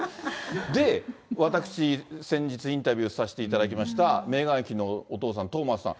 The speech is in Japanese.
で、私、先日、インタビューさせていただきました、メーガン妃のお父さん、トーマスさん。